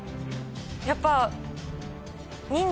やっぱ。